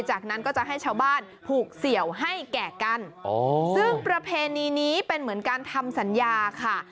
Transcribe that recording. จากนั้นก็จะให้ชาวบ้านผูกเสี่ยวให้แก่กันซึ่งประเพณีนี้เป็นเหมือนการทำสัญญาค่ะ